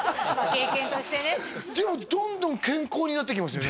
経験としてねでもどんどん健康になっていきますよね